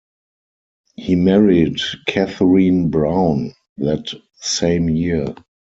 He married Catherine Brown that same year.